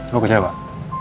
lo kecewa pak